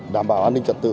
đảm bảo an ninh trật tự